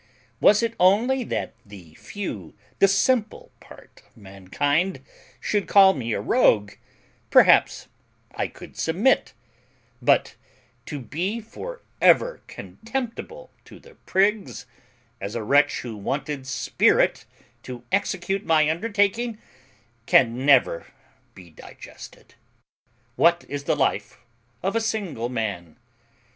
Was it only that the few, the simple part of mankind, should call me a rogue, perhaps I could submit; but to be for ever contemptible to the prigs, as a wretch who wanted spirit to execute my undertaking, can never be digested. What is the life of a single man?